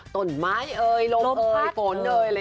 ตนไม้เอยลมเอยฝนเอย